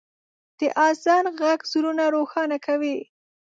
د اذان ږغ زړونه روښانه کوي.